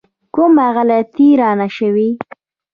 کومه غلطي رانه شوې.